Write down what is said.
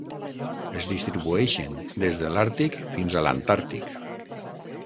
Es distribueixen des de l'Àrtic fins a l'Antàrtic.